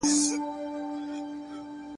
په هیڅ کي نسته مزه شیرینه `